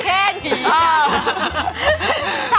เหมือนคุณเพศ